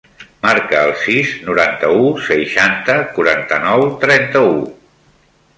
Marca el sis, noranta-u, seixanta, quaranta-nou, trenta-u.